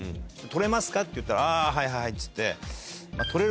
「取れますか？」って言ったら「あぁはいはいはい」っつって。